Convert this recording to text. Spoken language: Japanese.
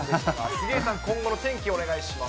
杉江さん、今後の天気お願いします。